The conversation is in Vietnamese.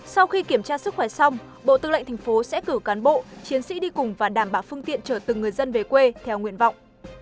sau khi kiểm tra sức khỏe xong bộ tư lệnh thành phố sẽ cử cán bộ chiến sĩ đi cùng và đảm bảo phương tiện chở từng người dân về quê theo nguyện vọng